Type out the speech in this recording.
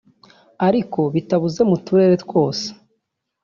ariko bitabuze mu turere twose